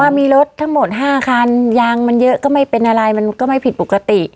มีรถทั้งหมด๕คันยางมันเยอะก็ไม่เป็นอะไรมันก็ไม่ผิดปกติ